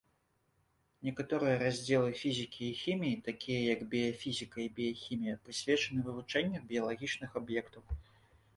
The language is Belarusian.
Некаторыя раздзелы фізікі і хіміі, такія як біяфізіка і біяхімія прысвечаны вывучэнню біялагічных аб'ектаў.